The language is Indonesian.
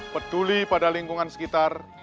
peduli pada lingkungan sekitar